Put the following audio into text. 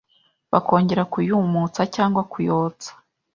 bakongera kuyumutsa cyangwa kuyotsa